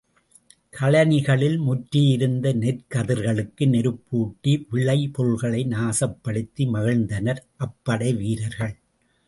கழனிகளில் முற்றியிருந்த நெற்கதிர்களுக்கு நெருப்பூட்டி விளைபொருள்களை நாசப்படுத்தி மகிழ்ந்தனர் அப் படைவீரர்கள்.